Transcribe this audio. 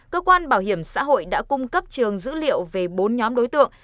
cơ quan bảo hiểm xã hội đã cung cấp trường dữ liệu về bốn nhóm đối tượng